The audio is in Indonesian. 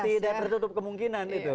tidak tertutup kemungkinan itu